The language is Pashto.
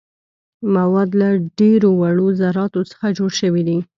مواد له ډیرو وړو ذراتو څخه جوړ شوي دي.